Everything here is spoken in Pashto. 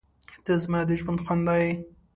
• ته زما د ژوند خندا یې.